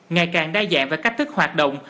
ngày càng đa dạng về cách thức hoạt động